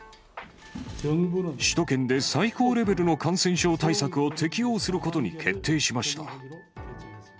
首都圏で最高レベルの感染症対策を適用することに決定しました。